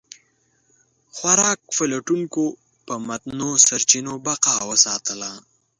خوراک پلټونکو په متنوع سرچینو بقا وساتله.